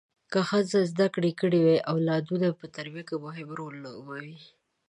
که ښځه زده کړې کړي وي اولادو په تربیه کې مهم رول لوبوي